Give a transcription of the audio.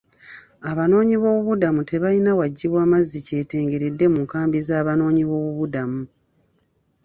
Abanoonyiboobubuddamu tebalina waggibwa mazzi kyetengeredde mu nkambi z'abanoonyiboobubudamu.